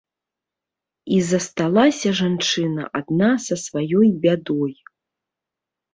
І засталася жанчына адна са сваёй бядой.